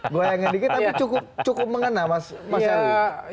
goyangan dikit tapi cukup mengena mas ewi